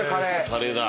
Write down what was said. カレーだ。